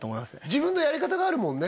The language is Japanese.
自分のやり方があるもんね